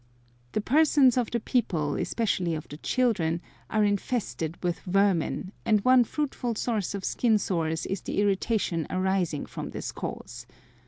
The persons of the people, especially of the children, are infested with vermin, and one fruitful source of skin sores is the irritation arising from this cause.